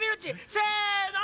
せの！